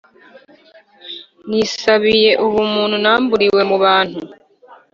nisabiye ubumuntu namburiwe mu bantu